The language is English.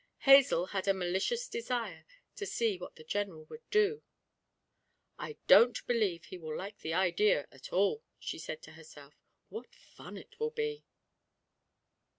Hazel had a malicious desire to see what the General would do. 'I don't believe he will like the idea at all,' she said to herself. 'What fun it will be!'